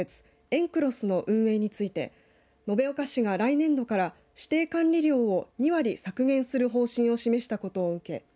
エンクロスの運営について延岡市が来年度から指定管理料を２割削減する方針を示したことを受け